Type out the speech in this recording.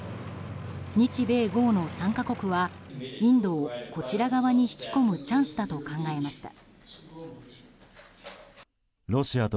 日米豪の３か国はインドをこちら側に引き込むチャンスだと考えました。